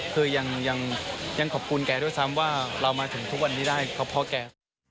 คือยังขอบคุณแกด้วยซ้ำว่าเรามาถึงทุกวันนี้ได้เพราะพ่อแก